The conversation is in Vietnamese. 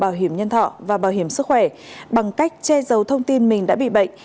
bảo hiểm nhân thọ và bảo hiểm sức khỏe bằng cách che giấu thông tin mình đã bị bệnh